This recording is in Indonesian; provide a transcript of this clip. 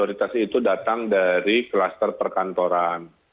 otoritas itu datang dari kluster perkantoran